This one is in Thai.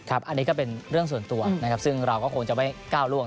อันนี้ก็เป็นเรื่องส่วนตัวนะครับซึ่งเราก็คงจะไม่ก้าวล่วง